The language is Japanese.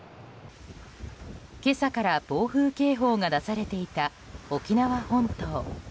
今朝から暴風警報が出されていた沖縄本島。